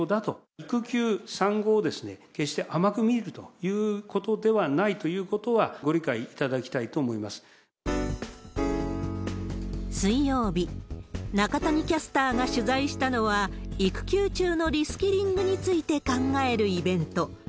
育休、産後を決して甘く見るということではないということは、ご水曜日、中谷キャスターが取材したのは、育休中のリスキリングについて考えるイベント。